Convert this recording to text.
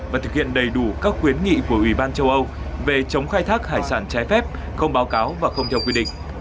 và thực hiện đầy đủ các khuyến nghị của ủy ban châu âu về chống khai thác hải sản trái phép không báo cáo và không theo quy định